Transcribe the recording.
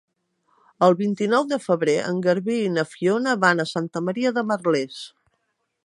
El vint-i-nou de febrer en Garbí i na Fiona van a Santa Maria de Merlès.